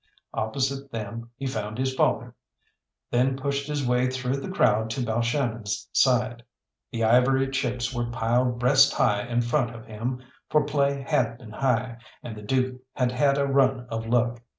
Opposite them he found his father, then pushed his way through the crowd to Balshannon's side. The ivory chips were piled breast high in front of him, for play had been high, and the Dook had had a run of luck.